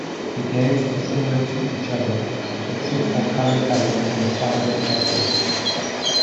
The games are similar to each other, except for color palette and size adjustments.